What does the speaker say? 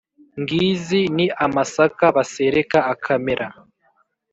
ngizi, ni amasaka basereka akamera,